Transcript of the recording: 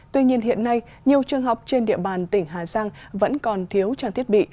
tuy nhiên hiện nay nhiều trường học trên địa bàn tỉnh hà giang vẫn còn thiếu trang thiết bị